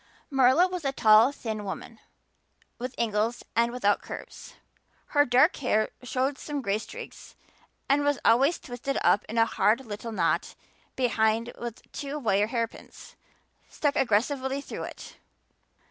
Marilla was a tall, thin woman, with angles and without curves; her dark hair showed some gray streaks and was always twisted up in a hard little knot behind with two wire hairpins stuck aggressively through it.